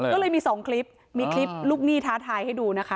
ก็เลยมี๒คลิปมีคลิปลูกหนี้ท้าทายให้ดูนะคะ